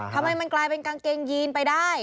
ทำไมมันกลายเป็นกางเกงยีนไปได้